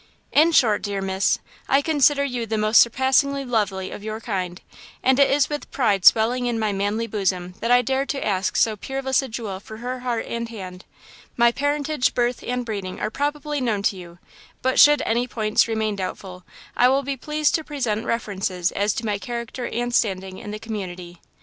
"In short, Dear Miss, I consider you the most surpassingly lovely of your kind, and it is with pride swelling in my manly bosom that I dare to ask so peerless a jewel for her heart and hand. "My parentage, birth, and breeding are probably known to you, but should any points remain doubtful, I will be pleased to present references as to my character and standing in the community.